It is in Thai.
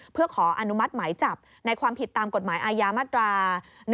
เพื่อขออนุมัติหมายจับในความผิดตามกฎหมายอาญามาตรา๑๑